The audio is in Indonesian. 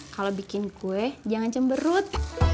kalau bikin kue jangan cemberut